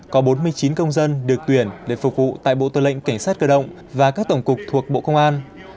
có bốn mươi chín công dân được tuyển để phục vụ tại bộ tư lệnh cảnh sát cơ động và các tổng cục thuộc bộ công an